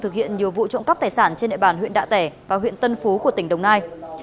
thực hiện nhiều vụ trộm cắp tài sản trên địa bàn huyện đạ tẻ và huyện tân phú của tỉnh đồng nai